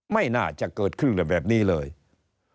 ไม่น่าจะเกิดขึ้นแบบนี้เลย